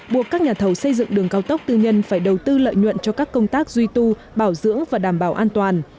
buộc các nhà thầu xây dựng đường cao tốc tư nhân phải đầu tư lợi nhuận cho các công tác duy tu bảo dưỡng và đảm bảo an toàn